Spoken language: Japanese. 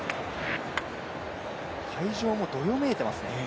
会場もどよめいていますね。